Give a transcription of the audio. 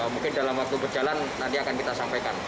mungkin dalam waktu berjalan nanti akan kita sampaikan